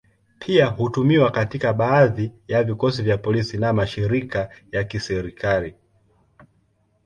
Pia hutumiwa katika baadhi ya vikosi vya polisi na mashirika ya kiserikali.